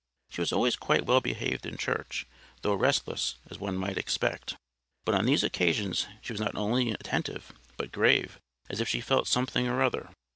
She was always quite well behaved in church, though restless, as one might expect. But on these occasions she was not only attentive, but grave, as if she felt something or other.